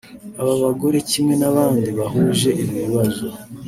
Aba bagore kimwe n’abandi bahuje ibi bibazo